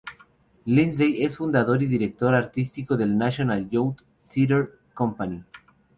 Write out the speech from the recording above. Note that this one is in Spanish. Lindsay es fundador y director artístico del National Youth Theatre Company.